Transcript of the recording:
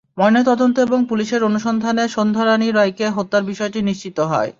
ময়নাতদন্ত এবং পুলিশের অনুসন্ধানে সন্ধ্যা রাণী রায়কে হত্যার বিষয়টি নিশ্চিত হয়।